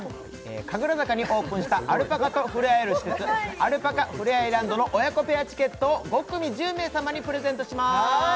神楽坂にオープンしたアルパカとふれあえる施設アルパカふれあいランドの親子ペアチケットを５組１０名様にプレゼントします